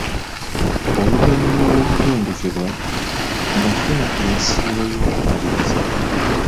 Oluvannyuma lw'okutendekebwa, nafuna ensiimyo y'okumaliriza.